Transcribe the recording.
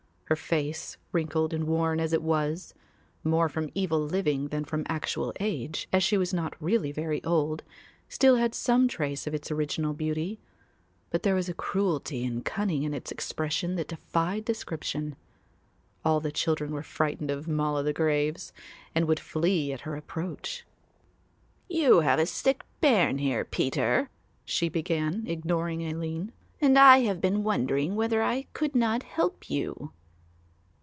Her face, wrinkled and worn as it was, more from evil living than from actual age, as she was not really very old, still had some trace of its original beauty, but there was a cruelty and cunning in its expression that defied description. All the children were frightened of "Moll o' the graves" and would flee at her approach. "You have a sick bairn here, Peter," she began, ignoring Aline, "and I have been wondering whether I could not help you."